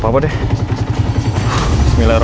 buning lihat ya